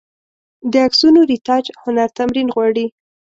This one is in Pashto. د عکسونو رېټاچ هنر تمرین غواړي.